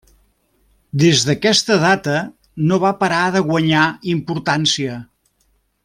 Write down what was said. Des d'aquesta data no va parar de guanyar importància.